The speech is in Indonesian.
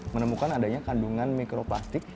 menemukan adanya kandungan mikroplastik